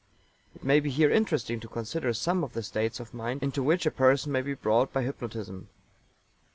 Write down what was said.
It may be here interesting to consider some of the states of mind into which a person may be brought by hypnotism.